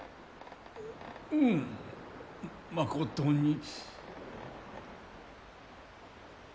ううんまことに。